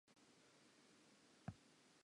Hobaneng o nahana hore ho jwalo?